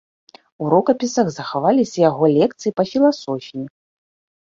У рукапісах захаваліся яго лекцыі па філасофіі.